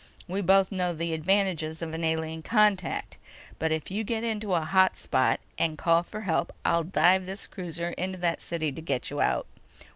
We both know the advantages of an alien contact. But if you get into a hot spot, and call for help, I'll dive this cruiser into that city to get you out!"